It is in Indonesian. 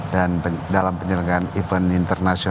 dan dalam penyelenggaraan event indonesia